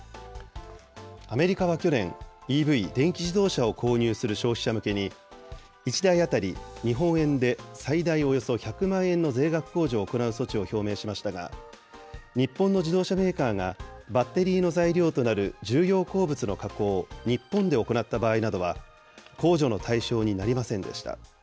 アメリカは去年、ＥＶ・電気自動車を購入する消費者向けに、１台当たり日本円で最大およそ１００万円の税額控除を行う措置を表明しましたが、日本の自動車メーカーがバッテリーの材料となる重要鉱物の加工を日本で行った場合などは、控除の対象になりませんでした。